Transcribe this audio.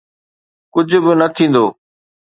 ڪجهه به نه ٿيندو آهي.